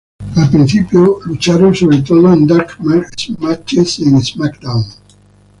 Al principio lucharon sobre todo en dark matches en "SmackDown!